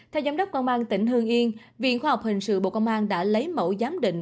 theo giám đốc công an tỉnh hương yên viện khoa học hình sự bộ công an đã lấy mẫu giám định